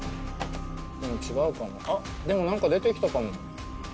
でも違うかもあっでも何か出てきたかも。